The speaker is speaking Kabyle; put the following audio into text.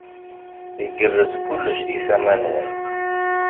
Igerrez kullec di tama-nwen.